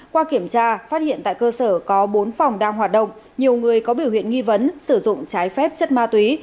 qua kiểm tra phát hiện tại cơ sở có bốn phòng đang hoạt động nhiều người có biểu hiện nghi vấn sử dụng trái phép chất ma túy